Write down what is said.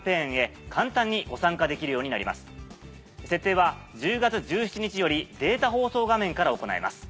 設定は１０月１７日よりデータ放送画面から行えます。